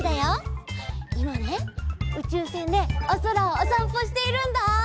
いまねうちゅうせんでおそらをおさんぽしているんだ！